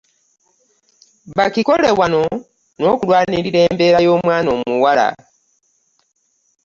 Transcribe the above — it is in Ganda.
Bakikole wamu n'okulwanirira embeera y'omwana omuwala.